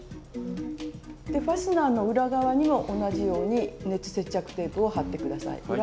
ファスナーの裏側にも同じように熱接着テープを貼って下さい。